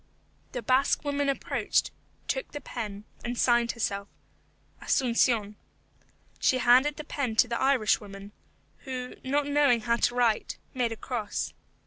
The Basque woman approached, took the pen, and signed herself, ASUNCION. She handed the pen to the Irish woman, who, not knowing how to write, made a cross.